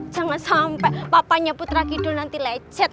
jangan sampai papanya putra kidul nanti lecet